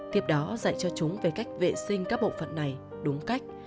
tiếp đó dạy cho chúng về cách vệ sinh các bộ phận này đúng cách